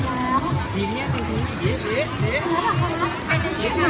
คาดสมัครอีกรอบน้ำได้อยู่